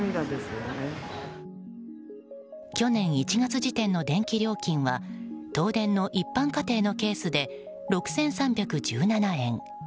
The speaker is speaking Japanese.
去年１月時点の電気料金は東電の一般家庭のケースで６３１７円。